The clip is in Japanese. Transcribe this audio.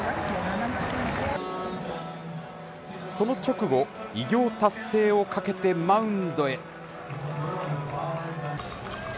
その直後、偉業達成をかけてマウンドへ。